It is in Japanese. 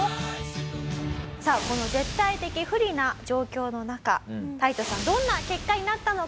さあこの絶対的不利な状況の中タイトさんどんな結果になったのか？